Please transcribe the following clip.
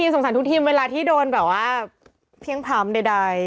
สงสัยทุกทีมเวลาที่โดนแบบว่ายังว่าเพี๊ยงพล้ำใด